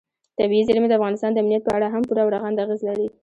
طبیعي زیرمې د افغانستان د امنیت په اړه هم پوره او رغنده اغېز لري.